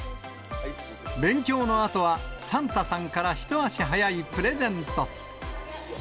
勉強のあとは、サンタさんから一足早いプレゼント。